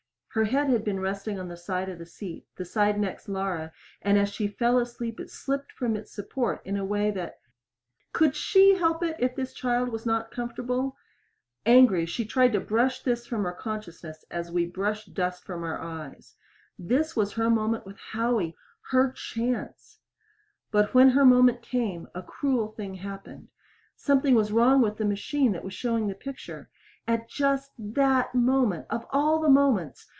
Her head had been resting on the side of the seat the side next Laura and as she fell asleep it slipped from its support in a way that Could she help it if this child was not comfortable? Angry, she tried to brush this from her consciousness as we brush dust from our eyes. This was her moment with Howie her chance. But when her moment came, a cruel thing happened. Something was wrong with the machine that was showing the picture. At just that moment of all the moments!